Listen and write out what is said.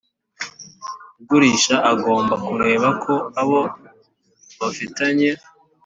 Ugurisha agomba kureba ko abo bafitanye